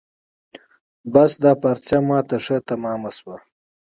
بس دا پارچه ما ته ښه تمامه شوه.